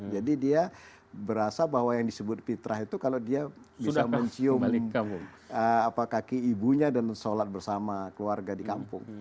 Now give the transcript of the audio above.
jadi dia berasa bahwa yang disebut fitrah itu kalau dia bisa mencium kaki ibunya dan sholat bersama keluarga di kampung